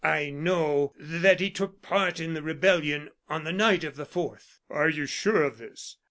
"I know that he took part in the rebellion on the night of the fourth." "Are you sure of this?"